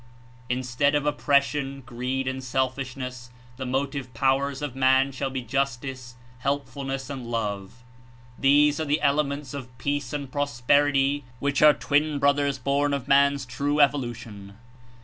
Instead of oppression, greed and selfishness, the motive powers of man shall The ^^ justice, helpfulness and love. These Manhood are the elements of peace and prosperity, of Man . ^yhjch are twin brothers born of man's true evolution.